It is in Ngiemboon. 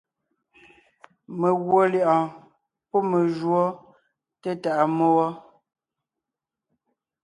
Meguɔ lyɛ̌ʼɔɔn pɔ́ me júɔ té tàʼa mmó wɔ.